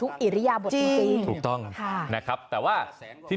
ทุกเอกระยะบทนตีจริงถูกต้องค่ะนะครับแต่ว่าที